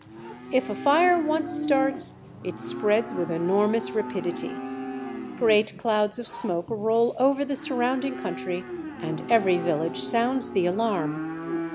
If a fire once starts, it spreads with enormous rapidity; great clouds of smoke roll over the surrounding country, and every village sounds the alarm.